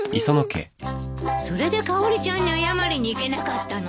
それでかおりちゃんに謝りにいけなかったの？